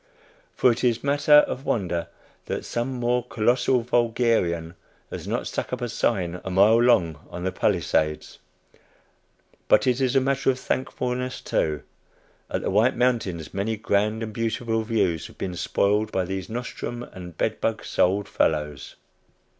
For it is matter of wonder that some more colossal vulgarian has not stuck up a sign a mile long on the Palisades. But it is matter of thankfulness too. At the White Mountains, many grand and beautiful views have been spoiled by these nostrum and bedbug souled fellows.